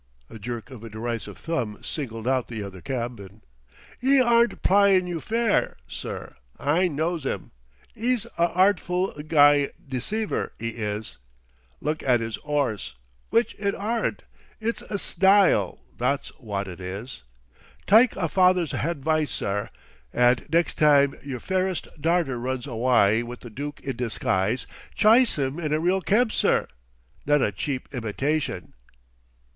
A jerk of a derisive thumb singled out the other cabman. "'E aren't pl'yin' you fair, sir; I knows 'im, 'e's a hartful g'y deceiver, 'e is. Look at 'is 'orse, w'ich it aren't; it's a snyle, that's w'at it is. Tyke a father's hadvice, sir, and next time yer fairest darter runs awye with the dook in disguise, chyse 'em in a real kebsir, not a cheap imitashin....